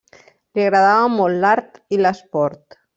Li agradava molt l'art i l'esport.